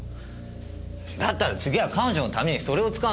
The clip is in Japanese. だったら次は彼女のためにそれを使うのが当然でしょ。